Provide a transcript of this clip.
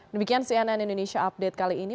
demikian cnn indonesia update kali ini